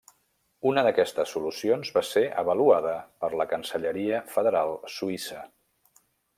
Una d'aquestes solucions va ser avaluada per la Cancelleria Federal Suïssa.